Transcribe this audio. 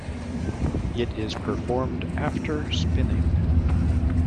It is performed after spinning.